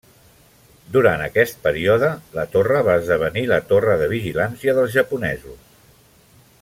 Durant aquest període, la torre va esdevenir la torre de vigilància dels japonesos.